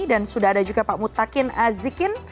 dan sudah ada juga pak mutakin azikin